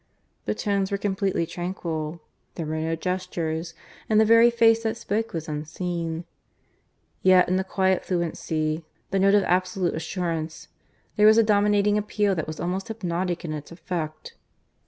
The tones were completely tranquil, there were no gestures, and the very face that spoke was unseen. Yet in the quiet fluency, the note of absolute assurance, there was a dominating appeal that was almost hypnotic in its effect.